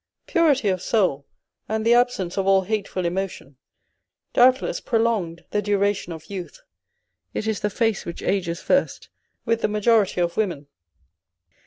Purity of soul, and the abseuce of all hateful emotion, doubtless prolong the duration of youth. It is the face which ages first with the majority of women.